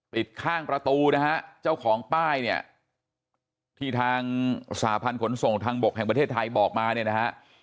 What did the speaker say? ข้างประตูนะฮะเจ้าของป้ายเนี่ยที่ทางสหพันธ์ขนส่งทางบกแห่งประเทศไทยบอกมาเนี่ยนะฮะ